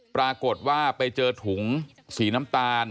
ปรากฏว่าไปเจอถุงสีน้ำตาล